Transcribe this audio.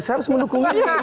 seharusnya mendukung inas dulu